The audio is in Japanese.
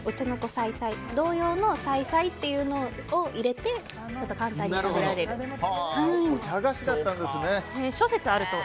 さいさい同様のさいさいっていうのを入れて簡単に食べられると。